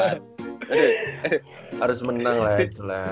aduh harus menang lah itu lah